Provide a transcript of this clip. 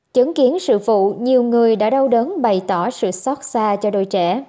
chứng kiến sự vụ nhiều người đã đau đớn bày tỏ sự xót xa cho đôi trẻ